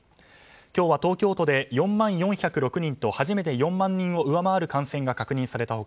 今日は東京都で４万４０６人と初めて４万人を上回る感染が確認された他